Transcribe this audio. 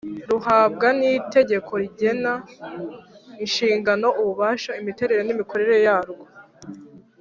ruhabwa n’itegeko rigena inshingano, ububasha, imiterere n’imikorere yarwo